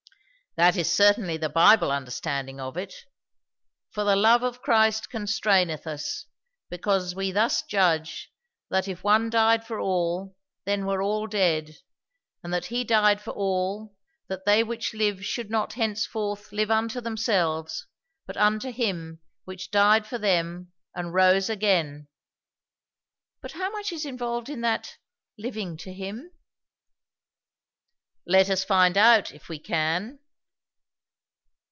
"That is certainly the Bible understanding of it. 'For the love of Christ constraineth us; because we thus judge, that if one died for all, then were all dead; and that he died for all, that they which live should not henceforth live unto themselves, but unto him which died for them and rose again.'" "But how much is involved in that 'living to him'?" "Let us find out, if we can.